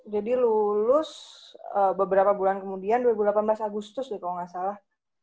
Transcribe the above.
jadi lulus beberapa bulan kemudian dua ribu delapan belas agustus deh kalau nggak salah